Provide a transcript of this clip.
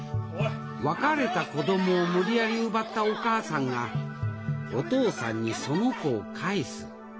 別れた子供を無理やり奪ったお母さんがお父さんにその子を返す。